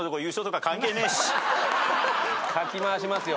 かき回しますよ